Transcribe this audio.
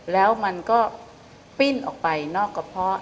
แล้วมันก็ปิ้นออกไปนอกกระเพาะ